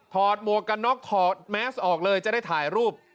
ถอดโหมกน๊อกถอดแมสออกเลยจะได้ถ่ายรูป